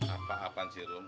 apa apaan sih rum